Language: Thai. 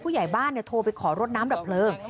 ผู้ใหญ่บ้านโทรไปขอรถน้ำดับเพลิง